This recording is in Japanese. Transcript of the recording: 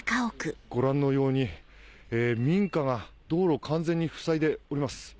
ご覧のように民家が道路を完全にふさいでおります。